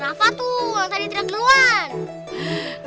rafa tuh lantai dia tidak duluan